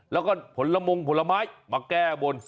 แล้วก็ผลมงผลไม้มาแก้บน